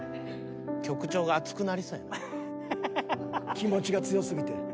気持ちが強すぎて。